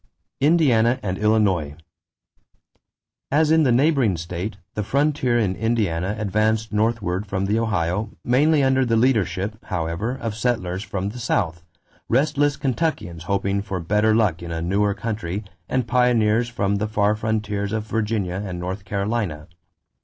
=Indiana and Illinois.= As in the neighboring state, the frontier in Indiana advanced northward from the Ohio, mainly under the leadership, however, of settlers from the South restless Kentuckians hoping for better luck in a newer country and pioneers from the far frontiers of Virginia and North Carolina.